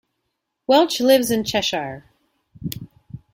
Welch lives in Cheshire.